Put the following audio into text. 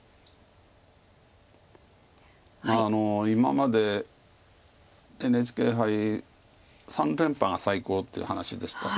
まあ今までＮＨＫ杯３連覇が最高っていう話でしたね。